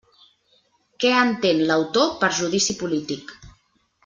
Què entén l'autor per judici polític.